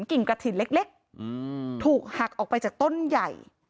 กิ่งกระถิ่นเล็กถูกหักออกไปจากต้นใหญ่